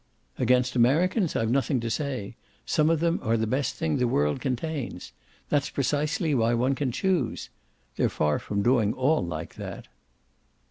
"Against Americans I've nothing to say; some of them are the best thing the world contains. That's precisely why one can choose. They're far from doing all like that."